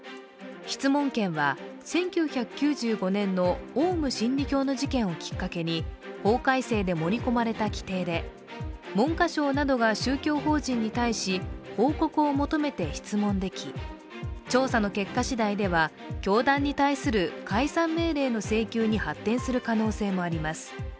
質問権は１９９５年のオウム真理教の事件をきっかけに法改正で盛り込まれた規定で、文科省などが宗教法人に対し報告を求めて質問でき調査の結果しだいでは教団に対する解散命令の請求に発展する可能性もあります。